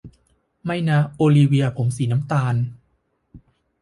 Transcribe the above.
ไม่นะ โอลิเวียผมสีน้ำตาล